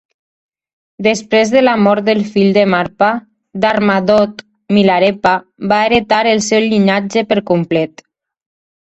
Després de la mort del fill de Marpa, Darma Dode, Milarepa va heretar el seu llinatge per complet.